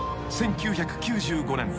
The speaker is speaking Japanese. ［１９９５年。